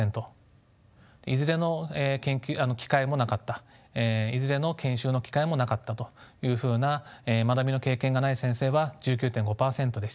いずれの機会もなかったいずれの研修の機会もなかったというふうな学びの経験がない先生は１９．５％でした。